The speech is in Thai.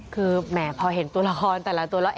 คือแหมพอเห็นตัวละครแต่ละตัวแล้ว